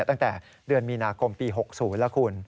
ตั้งแต่เดือนมีนาคมปี๖๐แล้วคุณ